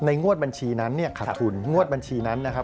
งวดบัญชีนั้นเนี่ยขาดทุนงวดบัญชีนั้นนะครับ